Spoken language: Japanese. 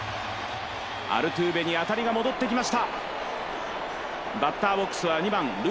アルトゥーベに当たりが戻ってきました。